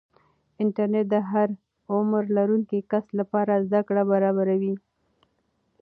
انټرنیټ د هر عمر لرونکي کس لپاره زده کړه برابروي.